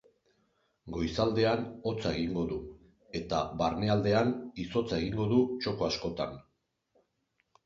Goizaldean, hotza egingo du, eta barnealdean izotza egingo du txoko askotan.